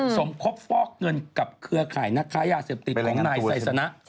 สมคบฟอกเงินกับเครือข่ายนักค้ายาเสพติดของนายไซสนะ